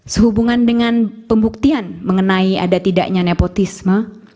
sehubungan dengan pembuktian mengenai ada tidaknya nepotisme